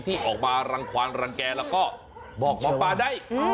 ที่ออกมารังความรังแก่แล้วก็บอกหมอปลาได้